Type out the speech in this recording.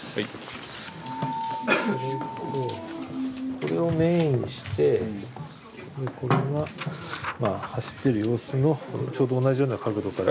これをメインにしてでこれはまあ走ってる様子のちょうど同じような角度から。